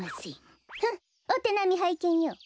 ふんっおてなみはいけんよ！